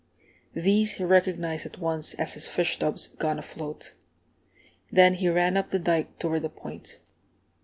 These he recognized at once as his fish tubs gone afloat. Then he ran up the dike toward the Point.